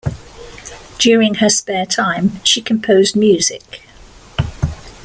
During her spare time, she composed music.